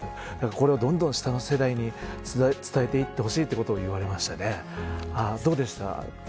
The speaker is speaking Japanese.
これをどんどん下の世代に伝えていってほしいということを言われました。